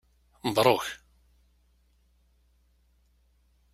Mebruk.